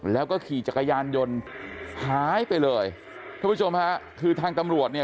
แล้วก็ขี่จักรยานยนต์หายไปเลยท่านผู้ชมฮะคือทางตำรวจเนี่ย